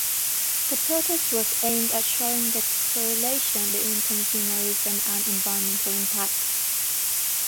The protest was aimed at showing the correlation between consumerism and environmental impact.